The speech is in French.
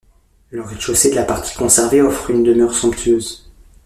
Le rez-de-chaussée de la partie conservée offre une demeure somptueuse.